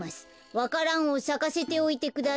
わか蘭をさかせておいてください。